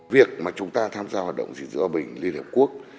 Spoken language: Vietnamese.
việc mà chúng ta tham gia hoạt động gìn giữ hòa bình liên hợp quốc